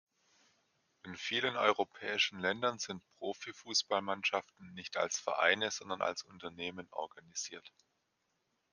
In vielen europäischen Ländern sind Profi-Fußballmannschaften nicht als Vereine, sondern als Unternehmen organisiert.